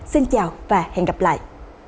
xin chào và hẹn gặp lại